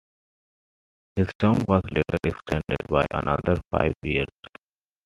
His term was later extended by another five years.